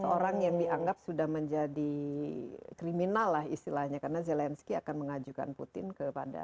seorang yang dianggap sudah menjadi kriminal lah istilahnya karena zelensky akan mengajukan putin kepada